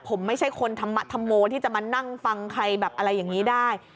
ผมไม่ใช่คนธรรมโมที่จะมานั่งฟังใครแบบอะไรอย่างนี้ได้